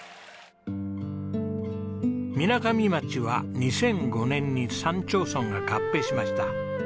みなかみ町は２００５年に３町村が合併しました。